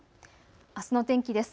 あすの天気です。